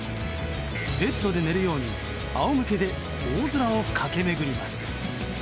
ベットで寝るように仰向けで大空を駆け巡ります。